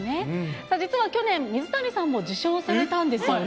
さあ、実は去年、水谷さんも受賞されたんですよね。